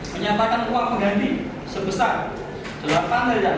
empat menyatakan uang pengganti sebesar rp delapan